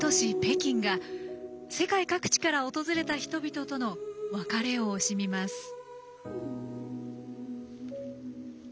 ・北京が世界各地から訪れた人々との別れを惜しみます。